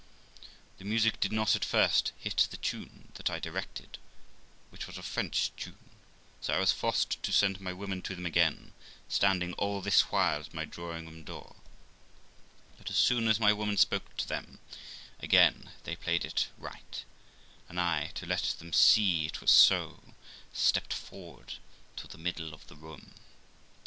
The music did not at first hit the tune that I directed, which was a French tune, so I was forced to send my woman to them again, standing all this while at my drawing room door ; but, as soon as my woman spoke to them again, they played it right, and I, to let them see it was so, stepped forward to the middle of the room.